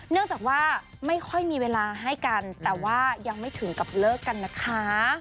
เนื่องจากว่าไม่ค่อยมีเวลาให้กันแต่ว่ายังไม่ถึงกับเลิกกันนะคะ